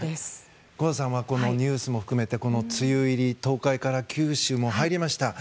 久保田さんはニュースも含めて梅雨入り、東海から九州も入りました。